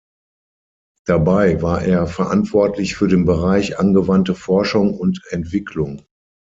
Dabei war er verantwortlich für den Bereich angewandte Forschung und Entwicklung.